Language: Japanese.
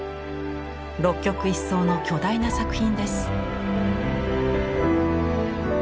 六曲一双の巨大な作品です。